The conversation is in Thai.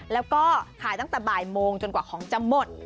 แล้วก็ขายตั้งแต่บ่ายโมงจนกว่าของจะหมด